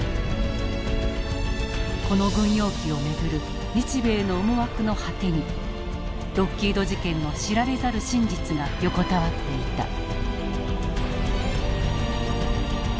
この軍用機を巡る日米の思惑の果てにロッキード事件の知られざる真実が横たわっていた。